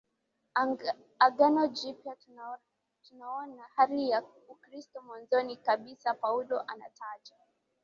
Agano Jipya tunaona hali ya Ukristo mwanzoni kabisa Paulo anataja